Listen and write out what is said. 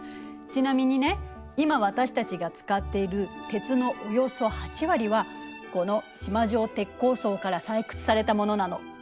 今私たちが使っている鉄のおよそ８割はこの縞状鉄鉱層から採掘されたものなの。